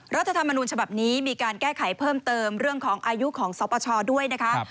รัฐธรรมนูญฉบับนี้มีการแก้ไขเพิ่มเติมเรื่องของอายุของสปชด้วยนะคะ